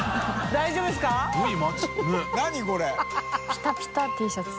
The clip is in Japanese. ピタピタＴシャツ。